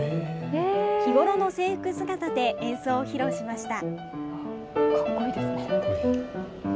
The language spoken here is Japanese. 日頃の制服姿で演奏を披露しました。